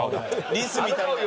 リスみたいな。